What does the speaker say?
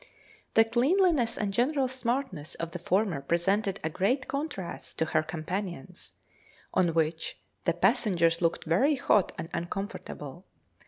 The cleanliness and general smartness of the former presented a great contrast to her companions, on which the passengers looked very hot and uncomfortable.